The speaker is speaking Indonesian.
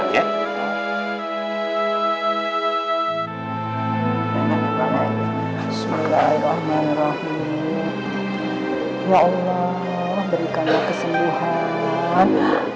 ya allah berikan kesembuhan